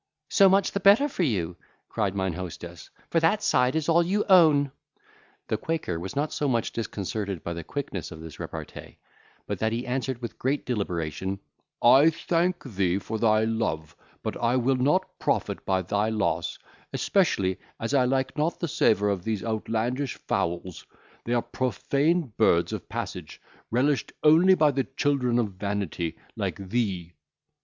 —"So much the better for you," cried mine hostess, "for that side is all your own." The quaker was not so much disconcerted by the quickness of this repartee, but that he answered with great deliberation, "I thank thee for thy love, but will not profit by thy loss, especially as I like not the savour of these outlandish fowls; they are profane birds of passage, relished only by the children of vanity, like thee."